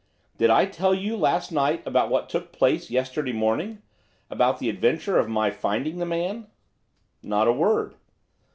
'Did I tell you last night about what took place yesterday morning, about the adventure of my finding the man?' 'Not a word.